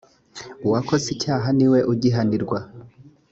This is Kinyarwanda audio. uwakoze icyaha ni we ugihanirwa